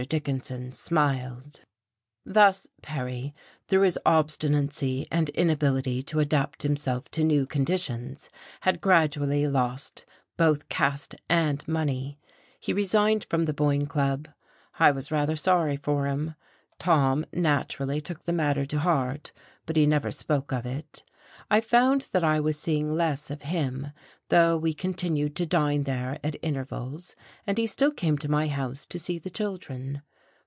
Dickinson smiled.... Thus Perry, through his obstinacy and inability to adapt himself to new conditions, had gradually lost both caste and money. He resigned from the Boyne Club. I was rather sorry for him. Tom naturally took the matter to heart, but he never spoke of it; I found that I was seeing less of him, though we continued to dine there at intervals, and he still came to my house to see the children.